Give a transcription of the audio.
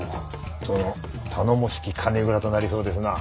殿頼もしき金蔵となりそうですな。